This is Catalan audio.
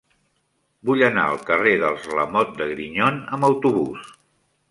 Vull anar al carrer dels Lamote de Grignon amb autobús.